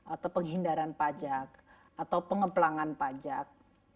atau penghindaran pajak atau pengeplangan pajak